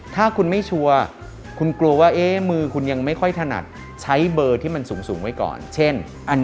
ถ้าคุณไม่ชัวร์คุณกลัวว่ามือคุณยังไม่ค่อยถนัดใช้เบอร์ที่มันสูงไว้ก่อนเช่น